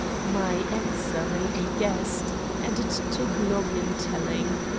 My answer may be guessed, and it took long in telling.